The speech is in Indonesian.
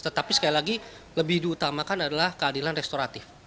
tetapi sekali lagi lebih diutamakan adalah keadilan restoratif